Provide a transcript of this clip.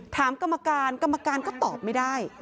ถามกรรมการกรรมการก็ตอบไม่ได้